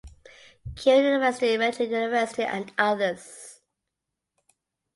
Keio University Meiji University and others.